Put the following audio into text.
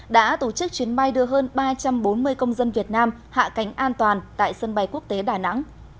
đã tổ chức chuyến bay đưa hơn ba trăm bốn mươi công dân việt nam hạ cánh an toàn tại sân bay quốc tế đà nẵng